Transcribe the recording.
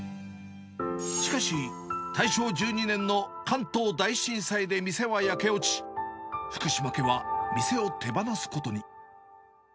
しかし、大正１２年の関東大震災で店は焼け落ち、ふくしま家は店を手放すことに。